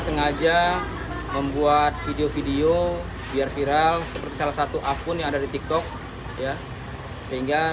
sengaja membuat video video biar viral seperti salah satu akun yang ada di tiktok ya sehingga